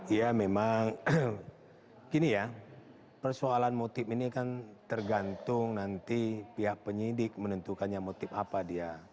ya memang gini ya persoalan motif ini kan tergantung nanti pihak penyidik menentukannya motif apa dia